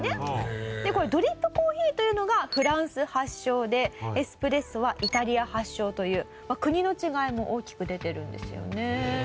でこれドリップコーヒーというのがフランス発祥でエスプレッソはイタリア発祥という国の違いも大きく出てるんですよね。